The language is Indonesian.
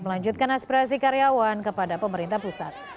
melanjutkan aspirasi karyawan kepada pemerintah pusat